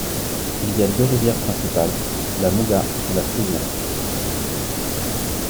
Il y a deux rivières principales, la Muga et la Fluvià.